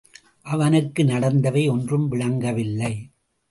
அவனுக்கு நடந்தவை ஒன்றும் விளங்கவில்லை.